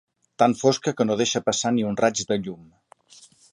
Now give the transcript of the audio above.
Tan fosca que no deixa passar ni un raig de llum.